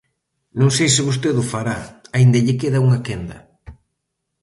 Non sei se vostede o fará, aínda lle queda unha quenda.